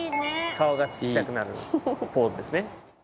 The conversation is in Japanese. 顔が小っちゃくなるポーズですね。